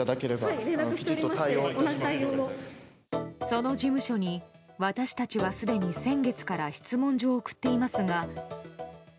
その事務所に私たちはすでに先月から質問状を送っていますが。